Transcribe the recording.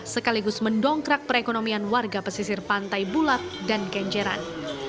sekaligus mendongkrak perekonomian warga pesisir pantai bulat dan genjeran